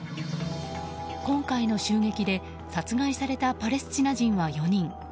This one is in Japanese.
今回の襲撃で殺害されたパレスチナ人は４人。